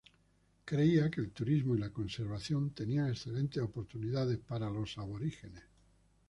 Creía que el turismo y la conservación tenían excelentes oportunidades para los aborígenes.